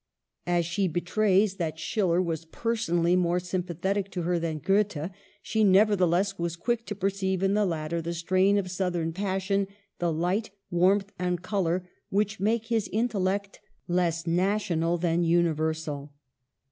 If she betrays that Schiller was personally more sympathetic to her than Goethe, she never theless was quick to perceive in the latter the strain of southern passion, the light, warmth and color, which made his intellect less national than universal.